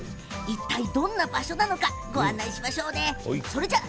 どんな場所なのかご案内しましょうね。